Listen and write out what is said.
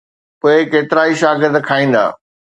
پوءِ ڪيترائي شاگرد کائيندا.